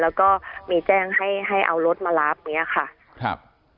และก็มีแจ้งให้เอารถมารับนี้อ่ะค่ะ